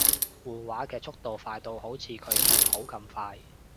換畫嘅速度快到好似佢揭譜咁快